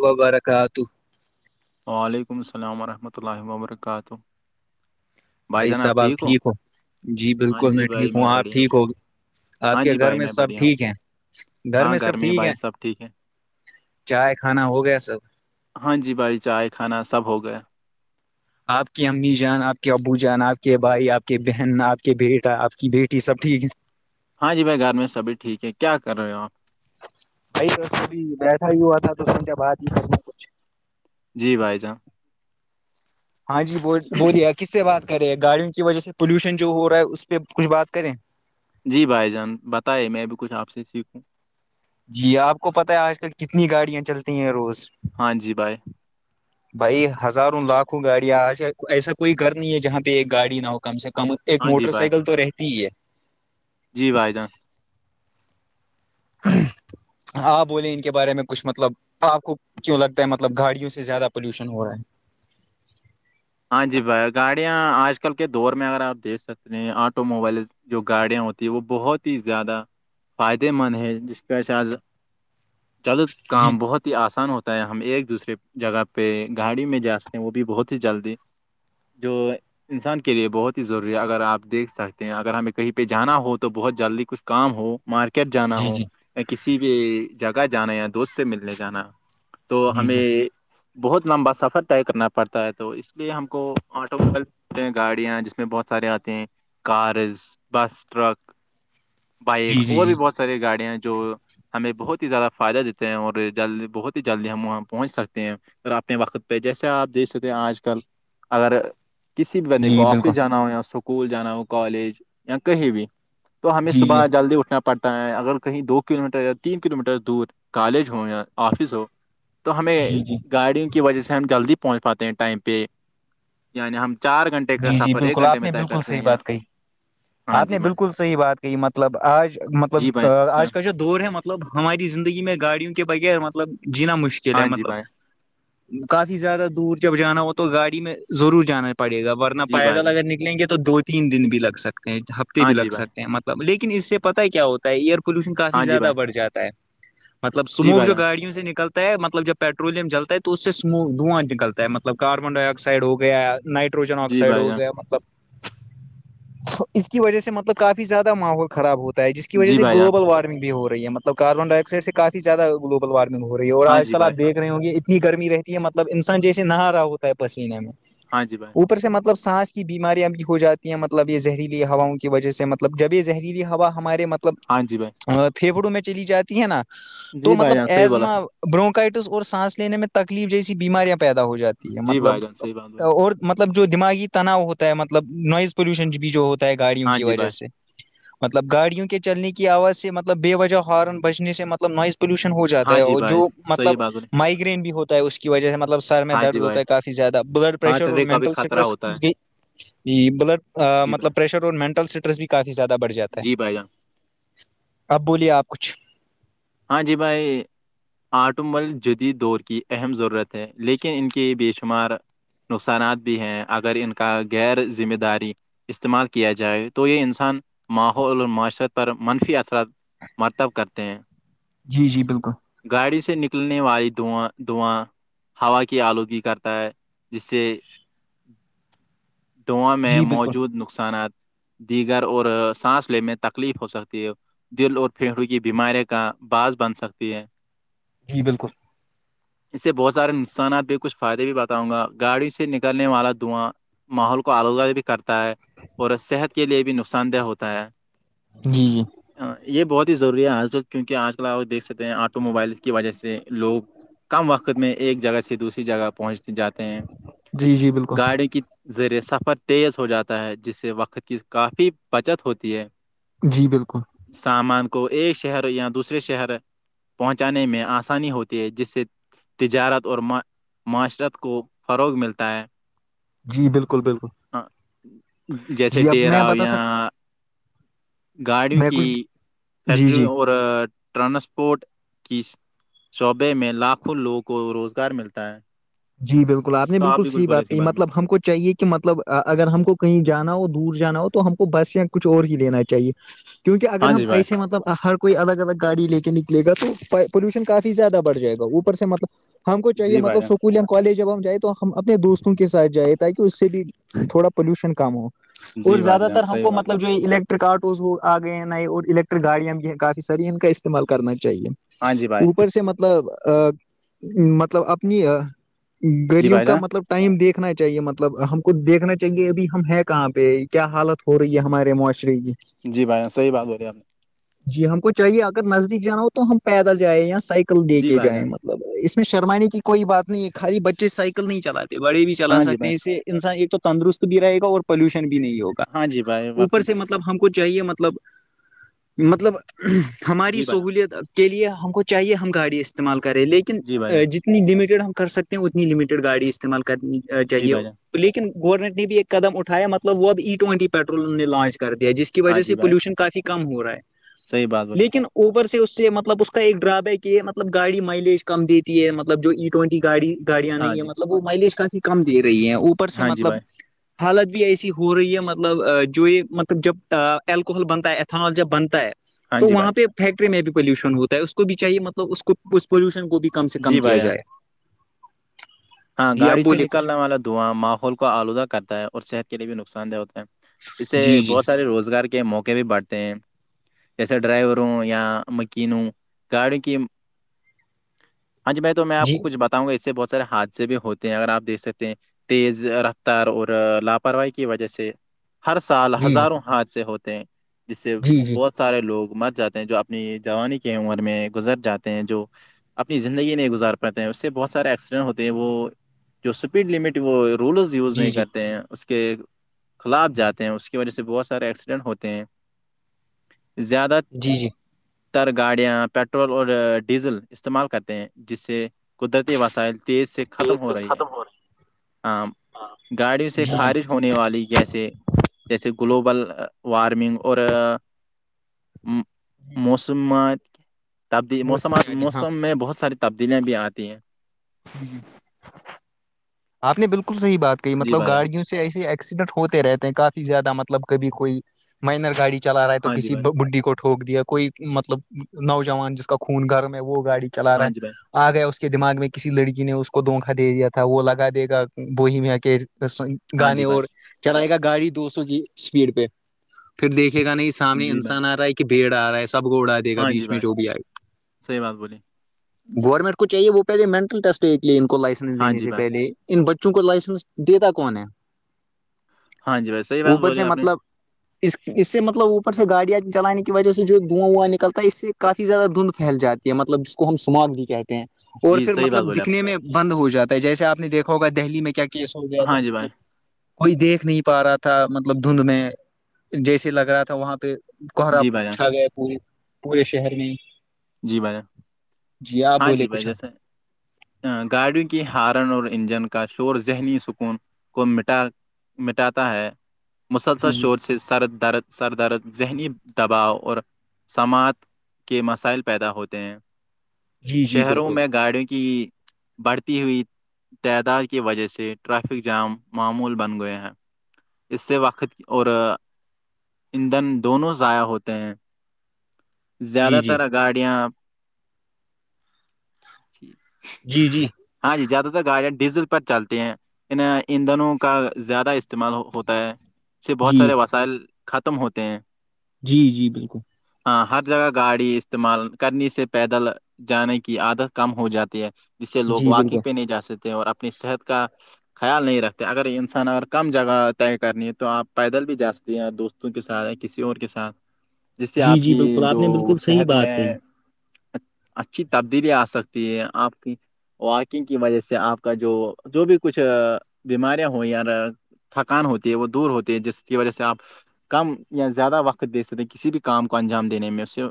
م وبرکات وعلیکم السلام ورحمۃ اللہ وبرکاتہ بھائی سب آپ ٹھیک ہو جی ہاں بالکل جی میں ٹھیک بھائی ہوں آپ بڑھیا ٹھیک ہو گی آپ ہاں کے جی گھر بھائی میں سب بڑھیا ہوں ٹھیک ہے گھر ہاں میں سب ٹھیک ہے بھائی سب ٹھیک ہے چائے کھانا ہو گیا سب ہاں جی بھائی چائے کھانا سب ہو گیا آپ کی امی جان آپ کے ابو جان آپ کے بھائی آپ کے بہن آپ کے بیٹا آپ کی بیٹی سب ٹھیک ہے ہاں جی بھائی گھر میں سبھی ٹھیک ہے کیا کر رہے ہو آپ بی بس ابھی بیٹھا ہی ہوا تھا تو سنھ بعات نہیں [unintelligible] جی بھائی جاناں [unintelligible] ہاں جی ب بولیے کس پہ بات کر رہے ہیں گاڑیوں کی وجہ سے پلیوشن جو ہو رہا ہے اس پہ کچھ بات کریں [unintelligible] جی بھائی جان بتائیے میں بھی کچھ آپ سے سیکھوں جی آپ کو پت ہے آج کل کتنی گاڑیاں چلتی ہیں روز ہاں جی بائے [inaudible] بھائی ہزاروں لاکھوں گاڑیاں آج ایسا کوئی گھر نہیں ہے جہاں پہ ایک گاڑی نہ ہو کم سے ک کم ایک ہاں جی موٹر بھائی سائیکل تو رہتی ہی ہے جی بھائی جان ہاں بولے ان کے بارے میں کچھ مطلب آپ کو کیوں لگتا ہے مطلب گاڑیوں سے زیادہ پولوشن ہو رہا ہے ہاں جی بھائی گاڑیاں آج کل کے دور میں اگر آپ دیکھ سکتے ہیں آٹو موبائل جو گاڑیاں ہوتی وہ بہت ہی زیادہ فائدے مند ہے جس کی وجہ سے آج جلد جی کام بہت ا ہی آسان ہوتا ہے ہم ایک دوسرے جگہ پہ گاڑی میں جا ستے ہیں وہ بھی بہت ہی جلدی جو انسان کے لیے بہت ہی ضروری ہے اگر آپ دیکھ سکتے ہیں اگر ہمیں کہیں پہ جانا ہو تو بہت جلدی کچھ کام ہو مارکی کٹ جانا جی ہو جی یا کسی بھی جگہ جانا یا دوست سے ملنے جانا تو جی جی ہمیں بہت لمبا سفر طے کرنا پڑتا ہے تو اس اس لیے ہم کو آٹو موبائل ہیں گاڑیاں جس میں بہت سارے آتے ہیں کارز بس ٹرک جی بائک جی اور جی بھی بہت ساری گاڑیاں جو ہمیں بہت ہی زیادہ فائدہ دیتے ہیں اور جلی بہت ہی جلدی ہم وہاں پہنچ سکتے ہیں اور اپنے وقت پہ جیسے آپ دیکھ سکتے ہیں آج کل اگر کسی بھی بندے جی کو بالکل آفس جانا ہو یا اسکول جانا ہو کالج یا کہیں بھی تو ہمیں جی جی صبح جلدی اٹھنا پ پڑتا ہے اگر کہیں دو کلو میٹر یا تین کلو میٹر دور کالج ہو یا آفس ہو تو ہمیں جی جی گاڑیوں کی وجہ سے ہم جلدی پہنچ پاتے ہیں ٹائم پہ یعنی ہم چار گھنٹے کا جی جی سفر ایک بالکل گھنٹے آپ میں نے طے بالکل کرتے ہیں صحیح یا بات کہی ہاں آپ جی نے بھائی بالکل صحیح بات کہی مطلب آج جی مطلب بھائی آج کا جو دور ہے مطلب ہماری زندگی میں گاڑیوں کے بغیر مطلب جینا مشکل ہے ہاں جی بھائی مطلب کافی زیادہ دور جب جانا ہو تو گاڑی میں ضرور جانا پڑے گا ورنا جی پائے بھائی گا جان لگر لیں گے تو دو تین دن بھی لگ سکتے ہیں ہفتے ہاں بھی جی لگ بھائی سکتے ہیں مطلب لیکن اس سے پتہ کیا ہوتا ایئر پولوشن کافی ہاں جی زیادہ بھائی بڑ جاتا ہے مطلب جی سموک بھائی جو جان گاڑیوں سے نکلتا ہے مطلب جب پیٹرولم چلتا ہے تو اس سے دھواں نکلتا ہے مطلب کاربن ڈائی آکسائڈ ہو گیا نائٹ ٹروجن جی آکسائڈ بھائی ہو جان گیا مطلب تو اس کی وجہ سے مطلب کافی زیادہ ماحول خراب ہوتا جس کی وجہ جی سے بھائی جان گلوبل وارمنگ بھی ہو رہی مطلب کاربن ڈائی آکسائڈ سے کافی زیاد گل وارمن ہو رہی ہے اور ہاں آج جی کل بھائی آپ دھ رہ ہوں گے اتنی گرمی رہتی ہے مطلب انسان جیسے نہا رہا ہوتا ہے پسینے میں ہاں جی بھائی اوپر سے مطلب سانس کی بیماریاں بھی ہو جاتی ہیں مطلب یہ زہریلی ہواؤں کی وجہ سے مطلب مطلب جب یہ زہریلی ہوا ہمارے مطلب ہاں جی بھائی پھیفڑوں میں چلی جاتی ہے نا جی تو بھائی مطلب جان صحیح بولا ایزما برونکائٹس اور سانس لینے میں تکلیف جیسی بیماریاں پیدا ہو جاتی ہے جی مطلب بھائی جان صحیح بات بولی اور مطلب جو دماغی تناؤ ہوتا ہے مطلب نوائز پولوشن بھی جو ہوتا ہے گاڑیوں ہاں کی جی وجہ بھائی سے مطلب گاڑیوں کے چلنے کی آواز سے مطلب بے وجہ ہارن بجنے سے مطلب نوائز پوشن ہو جاتا ہاں ہے جی اور بھائی جو صحیح مطلب بات بولی مائگرین بھی ہو ہے اس کی وجہ سے مطلب سر میں ہاں درد جی بھائی ہوتا ہے کافی زیادہ بلڈ پرریشر ہارٹ اور اٹیک کا بھی مینٹل خطرہ اسٹریس ہوتا ہے گ ج بلڈ جی بھائی مطلب پریشر اور مینٹل اسٹریس بھی کافی زیادہ بڑھ جاتا ہے جی بھائی جان اب بولیے آپ کچھ ہاں جی بھائی آٹومل جدید دور کی اہم ضرورت ہے لیکن ان کے بے شمار نقصانات بھی ہیں اگر ان کا غیر ذمہ داری استعمال کیا جائے تو یہ انسان ماحول اور معاشرت پر منفی اثرات مرتب کرتے ہیں جی جی بالکل گاڑی سے نکلنے والی دھواں دھواں ہوا کی آلودگی کرتا ہے جس سے داں میں جی بالکل موجود نقصانات دیگر اور سانس لینے تکلیف ہو سکتی ہے دل اور پھیڑ کی بیمارییا کا باز بن سکتی ہے جی بالکل اس سے بہت سارے نسانات بھی کچھ فائدے بھی بتاؤں گا گاڑی سے نکلنے والا دھواں ماحول کو آلودی بھی کرتا ہے اور صحت کے لیے بھی نقصان دہ ہوتا ہے جی جی یہ بہت ہی ضروری ہے آج کل کیونکہ آج کل آ دیکھ سکتے ہیں آٹو موبائلس کی وجہ سے لوگ کم وقت میں ایک جگہ سے دوسری جگہ پہنچ جاتے ہیں جی جی بالکل زیر سفر تیز ہو جاتا ہے جس سے وقت کی کافی بچت ہوتی ہے جی بالکل سامان کو ایک شہر یا دوسرے شہر پہنچانے میں آسانی ہوتی ہے جس سے تجارت اور معاشرت کو فروغ ملتا ہے جی بالکل بالکل ہاں جیسے جی اب میں ڈیرا ہو بتا سک یہاں گاڑیوں میں کی کچھ جی فیکٹریوں جی اور ٹرانسپورٹ کی شعبے میں لاکھوں لوگوں کو روزگار ملتا ہے جی بالکل آپ نے تو بالکل بھی کچھ صحی بولے بات اس کے کہ بارے میں مطلب ہم کو چاہیے کہ مطلب اگر ہم کو کہیں جانا ہو دور جانا ہو تو ہم کو بس یا کچھ اور ہی لینا چاہیے کیونکہ اگر ہاں ہم جی بھائی ایسےطلب ہر کوئی الگ الگ گاڑی لے کے نکلے گ تو پولیوشن کافی زیادہ بڑ جائے گا اوپر سے مطلب ہم کو چاہیے جی مطلب بھائی جان اسکول یا کالج جب ہم جائ تو ہم اپنے دوستوں کے ساتھ جائیں تاکہ اس سے بھی تھوڑا پولوشن کام ہو اور جی بھائی زیادہ تر جان ہم صحیح کو بات مطلب بولے جو الیکٹ رک آٹوز آ گئے ہیں نئے اور الیکٹرک گاڑیاں بھی ہیں کافی ساری ان کا استعمال کرنا چاہیے ہاں جی بھائی اوپر سے مطلب مطلب اپنی جی گغریوں بھائی کا جان مطلب ٹائم دیکھنا چاہیے مطلب ہم کو دیکھنا چاہیے ابھی ہم ہے کہاں پہ کیا حالت ہو رہی ہے ہمارے معاشرے کی جی بائی صحیح بات ب رہی آ نے [unintelligible] جی ہم کو چاہیے اگر نزدیک جانا ہو تو ہم پیدل جائیں یا سائیکل لے جی کے بھائی جان جائیں ملب اس میں شرمانے کی کوئی بات نہیں ہے خالی بچے سائیکل نہیں چلے بڑے بھی چلا ہاں جی سکتے بھائی ہیں اسے انسان ایک تو تندرست بھی رہے گا اور پولوشن بھی نہیں ہوگا ہاں جی بھائی وقت اوپر سے مطلب ہم کو چاہیے مطلب مطلب ہماری جی بھائی جان سہولیت کے لیے ہم کو چاہیے ہم گاڑی استعمال کریں لیکن جی بھائی جان لن جتنی لمیٹیڈ ہم کر سکتے ہیں اتنی لمیٹیڈ گاڑی استعمال کرنی جی چاہیے بھائی جان لیکن گورنمنٹ نے بھی ایک قدم اٹھایا مطلب وہ اب ای ٹوینٹی پیٹرول نے لانچ کر دیا جس ہاں وجہ سے جی بھائی پولوشن کافی کم ہو رہا ہے صحیح بات بولی لیکن اوبر سے اس سے مطلب اس کا ایک ڈرا بیک یہ ہے مطلب گاڑی مائلیج کم دیتی ہے مطلب جو ای ٹوینٹی گاڑی گاڑیاں ہاں نہیں ہے جی مطلب وہ مائلیج کافی کم دے رہی ہے اوپر سے ہاں جی مطلب بھائی حالت بھی ایسی ہو رہی ہے مطلب جو یہ مطلب جب الکوحل بنتا ہے ایتھنال جب بنتا ہے ہاں تو جی بھائی وہاں پہ فیکٹری میں بھی پولوشن ہوتا ہے اس کو بھی چاہیے مطلب اس کو اس پولوشن کو بھی کم سے کم جی کیا بھائی جان جائے ہاں جی آپ گاڑی سے بولے کچھ نکلنے والا دھواں ماحول کو آلودہ کرتا ہے اور صحت کے لیے بھی نقصان دہ ہوتا ہے اس سے جی جی بہت سارے روزگار کے موقع بھی بڑٹھتے ہیں جیسے ڈرائیور ہو یا مکین ہ گاڑی کی [unintelligible] [unintelligible] ہاں ج بائی تو میں آ کو جی کچ بتاؤںا اس سے بہ سےاتھ [unintelligible] سے بھی ہوتے ہیں اگر آپ دیکھ سکتے ہیں تیز رفتار اور لاپرواہی کی وجہ سے ہر سال جی ہزاروں حادثے ہوتے ہیں جس سے جی جی بہت سارے لوگ مر جاتے ہیں جو اپنی جوانی کی عمر میں گزر جاتے ہیں جو اپنی زندگی نہیں گزار پتے ہیں اس سے بہت سارے ایکسیڈنٹ ہوتے وہ جو اسپیڈ لمٹ وہ رولرز یوز جی نہیں جی کرتے ہیں اس کے کے خلاف جاتے ہیں اس کی وجہ سے بہت سارے ایکسیڈنٹ ہوتے ہیں [unintelligible] زیادہ جی جی تر گاڑیاں پیٹرول اور ڈیزل استعمال کرتے ہیں جس سے قدرتی وسائل تیس سے جی ختم ہو سے رہی ہے ختم ہو ہاں گاڑیوں سے رہی ہے۔ جی جی خارج ہونے والی جیسے جیسے گلوبل وارمنگ اور موسمات تبدی موسمات موسمی آ ہاں موسم میں بہت ساری تبدیلیا بھی آتی ہیں جی جی [inaudible] آپ نے بالکل صحی بات کہی جی مطلب بھائی جان گاڑیوں سے ایسی ایکسیڈنٹ ہوتے رہتے ہیں کافی زیادہ مطلب کبھی کوئی مائنر گاڑی چلا رہا ہے تو ہاں جی کسی بھائی بڈی کو ٹوک دیا کوئی مطلب نوجوان جس کا خون گرم ہے وہ گاڑی چلا رہا ہاں جی ہے بھائی آ گیا اس کے دماغ میں کسی لڑکی نے اس کو دھونکھا دے دیا تھا وہ لگا گا دے گا بوی میں آ کے ہاں گانے جی بھائی اور چلائے گا گاڑی دو سو کی اسپیڈ پہ پھر دیکھے گا نہیں سامنے جی بھائی انسان آ رہا ہے کہ بھیڑ آ رہا ہے سب کو اڑا دے گا ہاں جی بیچ میں بھائی جو بھی آئے صحیح بات بولی گورنمنٹ کو چاہے وہ پہلے مینٹل ٹیسٹ لیے ان کو لائسنس ہاں دینے جی سے بھائی پہلے ان بچوں کو لائسنس دیتا کون ہے ہاں جی بھائی صحیح بات اوپر بولی سے آپ نے مطلب [unintelligible] اس اس سے مطلب اوپر سے گاڑیاں چلانے کی وجہ سے جو دواں وواں نکلتا ہے اس سے کافی زیادہ دھند پھیل جاتی کہ مطلب ج کو ہم سمارگ بھی کہتے ہیں [unintelligible] اور جی پھر صحیح بات مطلب بولی آپ نے دکھنے میں بند ہو جاتا ہے جیسے آپ نے دیکھا ہوگا دہلی میں کیا کیا کیس ہو گیا ہاں تھا جی بھائی مب کوئی دیکھ نہیں پا رہا تھا مطلب دھند میں جیسے لگ رہا تھا وہاں پہ کوہرا جی بھائی جان چھا گیا پورے پورے شہر میں ہی جی بھائی ہاں بولے جی بھائی کچھ جیسے گاڑیوں کی ہارن اور انجن کا شور ذہنی سکون کو مٹا مٹاتا ہے مسلسل جی جی شور سے سر درد سر درد ذہنی دباؤ اور سماعت کے مسائل پر پیدا ہوتے ہیں جی جی شہروں بالکل میں گاڑیوں کی بڑھتی ہوئی تعداد کی وجہ سے ٹریفک جام معمول بن گئے ہیں اس سے وقت کی اور ایندھن دونوں ضائع ہوتے ہیں جی زیادہ جی تر گاڑیاں [unintelligible] جی جی ہاں جی زیادہ تر گاڑیاں ڈیزل پر چلتی ہیں ان ایندھنوں کا زیادہ استعمال ہوتا ہے [unintelligible] سے بہت جی سارے وسائل ختم ہوتے ہیں جی جی بالکل ہاں ہر جگہ گاڑی استعمال کرنی سے پیدل جانے کی عادت کم ہو جاتی ہے جس سے لوگ جی واکنگ بالکل پہ نہیں جا سکتے ہیں اور اپنی صحت کا خیال نہیں رکھتے اگر انسان اگر کم جگہ طے کرنی ہے تو آپ پیدل بھی جا سکتے ہیں دوست کے ساتھ یا کسی اور کے ساتھ [inaudible] جس سے آپ جی کی بالکل آپ جو نے بالکل صحیح صحت میں بات کہی اچھی تبدیلی آ سکتی ہے آپ کی واکنگ کی وجہ سے آپ کا جو جو بھی کچھ بیماریاں ہووں تھکان ہوتی ہے وہ دور ہوتی ہے جس کی وجہ سے آپ کم یا زیادہ وقت دے سکتے ہیں کسی بھی کام کو انجام دینے میں اسے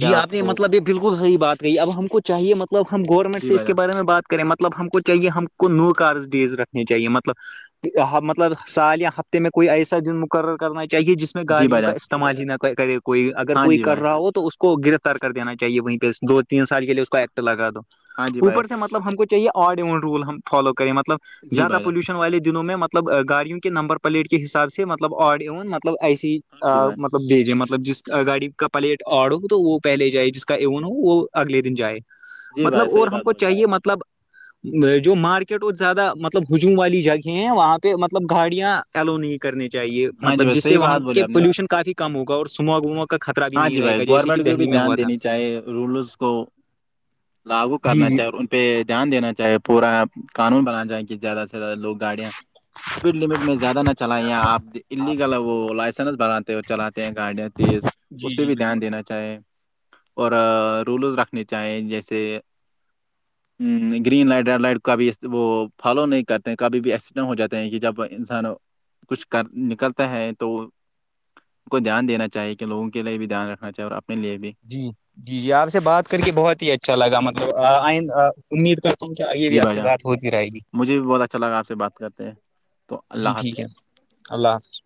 جی آپ نے مطلب یہ بالکل صحیح بات کی اب ہم کو چاہے مطلب ہم گورنمنٹ جی سے اس بھائی کے جان بارے میں بات کریں مطلب ہم کو چاہے ہم کو نو کار ڈیز رکھنی چاہیے مطلب مطلب سال یا ہفتے میں کوئی ایسا دن مقرر کرنا چاہیے جس میں جی گاڑیوں بھائی کا جان استعمال ہی نہ کرے کوئی اگر ہاں کوئی جی کر بھائی رہا ہو تو اس کو گرفتار کر دینا چاہیے وہیں پہ دو تین سال کے لیے اس کو ایکٹ لگا دو ہاں جی بھائی اوپر سے مطلب ہم کو آڈ ایونڈ رول ہم فالو کریں مطلب جی زیادہ بھائی جان پولیوشن والے دنوں میں مطلب مطلب گارڑوں کے نمبر پلیٹ کے حساب سے مطلب آڈ مطلب ایسی ہاں جی بھائی ملب دیجیے مطلب جس گاڑی کا پلیٹ آڈ ہو تو وہ پہلے ہی جائے جس کا ایون ہو وہ اگلے دن جائے جی مطلب بھائی اور صحیح ہم بات کو بولے چاہیے مطلب جو مارکیٹ اور زیادہ مطلب ہجوم والی جگہیں ہیں وہاں پہ مطلب گاڑیاں ایلو نہیں کرنی چاہیے ہاں جی مطلب بھائی جس سے صحیح وہاں بات کے بولے آپ نے پولوشن کافی کم ہوگا اور سموگ وموک کا خطر بھی ہاں نہیں جی رہ بھائی گا جیسے کہ گورنمنٹ کو بھی دہلی میں دھیان ہوا تھا دینی چاہے رولس کو لاگو جی کرنا جی چاہے اور ان پہ دھیان دینا چاہے پورا قانون بناانا چاہ کہ زیادہ سے زیادہ لوگ گاڑیاں اسپیڈ لمٹ میں زیادہ نہ چلائے آپ انلیگل ہے وہ لائسنس بنھاتے اور چلاتے ہیں گاڑیاں تیز جی اس پہ جی بھی بالکل دھیان دینا چاہیں اور رولز رکھنے چاہیں جیسے گرین لائٹ ریڈ لائٹ کبھی وہ فالو نہیں کرتے ہیں کبھی بھی ایکسیڈنٹ ہو جاتے ہیں کہ جب انسان کچھ کر نکلتا ہے تو ان کو دھیان دینا چاہیے کہ لوگوں کے لیے بھی دھیان رکھنا چاہے اور اپنے لیے بھی جی جی جی آپ سے بات کر کے بہت ہی اچھا لگا مطلب آئند امید کا کی کیا یہ بھی جی آپ بھائی سے جان بات ہوتی رہے گی مجھے بھی بہت اچھا لگا آپ سے بات کرتے ہیں تو اللہ جی حافظ ٹھیک ہے اللہ حافظ